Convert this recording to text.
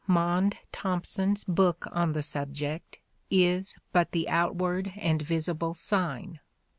Maunde Thompson's book on the subject is but the outward and visible sign.